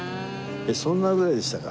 えっそんなぐらいでしたか。